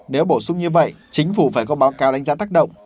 nếu bổ sung như vậy chính phủ phải có báo cáo đánh giá tác động